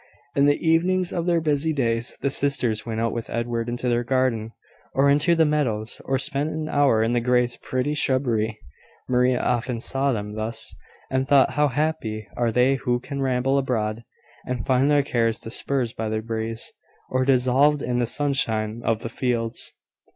In the evenings of their busy days, the sisters went out with Edward into their garden, or into the meadows, or spent an hour in the Greys' pretty shrubbery. Maria often saw them thus, and thought how happy are they who can ramble abroad, and find their cares dispersed by the breeze, or dissolved in the sunshine of the fields.